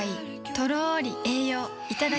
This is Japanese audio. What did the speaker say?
とろり栄養いただきます